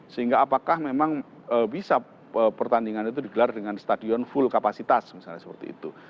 sehingga apakah memang bisa pertandingan itu digelar dengan stadion full kapasitas misalnya seperti itu